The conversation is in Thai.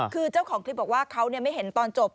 คือเจ้าของคลิปบอกว่าเขาไม่เห็นตอนจบ